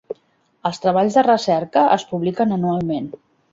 Els treballs de recerca es publiquen anualment.